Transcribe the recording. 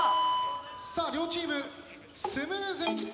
さあ両チームスムーズに。